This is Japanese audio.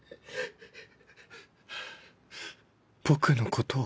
僕のことを？